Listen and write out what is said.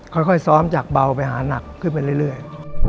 ค่อยซ้อมจากเบาไปหานักขึ้นไปเรื่อย